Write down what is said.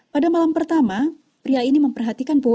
pada malam pertama pria ini memperhatikan bu